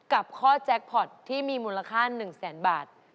กับข้อแจ๊คพอตที่มีมูลค่า๑๐๐๐๐๐บาท